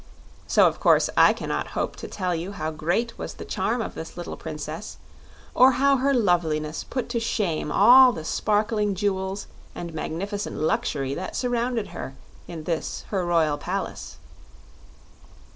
So of course I cannot hope to tell you how great was the charm of this little Princess, or how her loveliness put to shame all the sparkling jewels and magnificent luxury that surrounded her in this her royal palace.